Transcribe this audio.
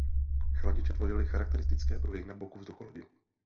Chladiče tvořily charakteristické pruhy na boku vzducholodi.